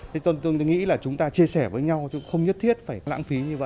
thế tôi nghĩ là chúng ta chia sẻ với nhau chứ không nhất thiết phải lãng phí như vậy